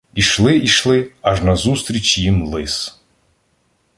Ішли, ішли, аж назустріч їм Лис.